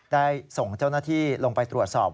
ได้ส่งเจ้าหน้าที่ลงไปตรวจสอบ